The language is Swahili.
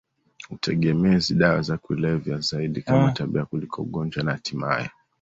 utegemezi dawa za kulevya zaidi kama tabia kuliko ugonjwa na hatimaye